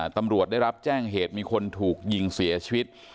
ตำรวจได้รับแจ้งเหตุมีคนถูกยิงเสียชีวิต